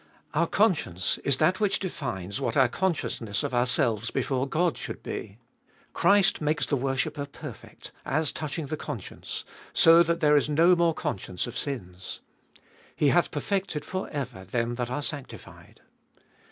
Our conscience is that which defines what our consciousness of ourselves before Gbe ibolfeet of ail 345 God should be : Christ makes the worshipper perfect, as touching the conscience, so that there is no more conscience of sins. He hath perfected for ever them that are sanctified.